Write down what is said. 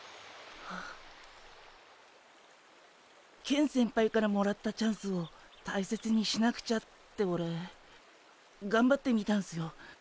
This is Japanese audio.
ケン先輩からもらったチャンスを大切にしなくちゃってオレがんばってみたんすよ。